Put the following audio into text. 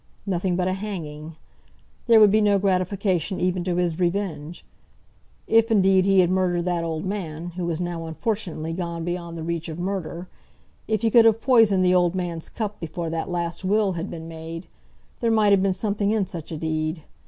Nothing but a hanging! There would be no gratification even to his revenge. If, indeed, he had murdered that old man, who was now, unfortunately, gone beyond the reach of murder; if he could have poisoned the old man's cup before that last will had been made there might have been something in such a deed!